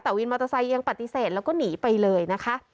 แต่วินมอเตอร์ไซค์ยังปฏิเสธแล้วก็หนีไปเลยนะคะ